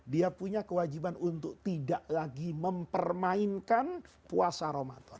dia punya kewajiban untuk tidak lagi mempermainkan puasa ramadan